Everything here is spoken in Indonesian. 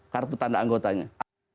kartu tanda anggotanya